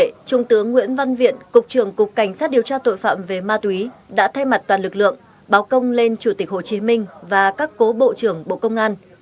tổ chức nguyễn văn viện cục trưởng cục cảnh sát điều tra tội phạm về ma túy đã thay mặt toàn lực lượng báo công lên chủ tịch hồ chí minh và các cố bộ trưởng bộ công an